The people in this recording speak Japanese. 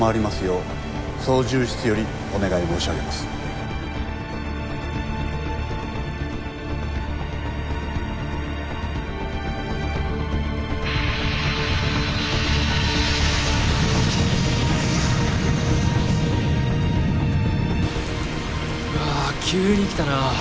うわあ急に来たな。